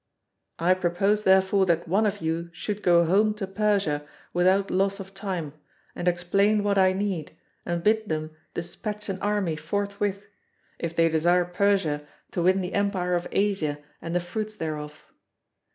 I propose therefore that one of you should go home to Persia without loss of time, and explain what I need and bid them despatch an army forthwith, if they desire Persia to win the empire of Asia and the fruits thereof.